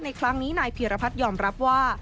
ในครั้งนี้นายพีรพัฒน์ยอมรับว่า